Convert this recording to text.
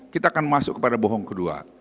kita akan masuk kepada bohong kedua